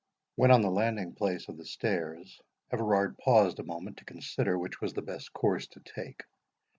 When on the landing place of the stairs, Everard paused a moment to consider which was the best course to take.